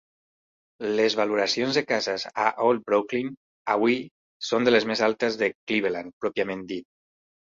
Les valoracions de cases a Old Brooklyn, avui, són de les més altes de Cleveland pròpiament dit.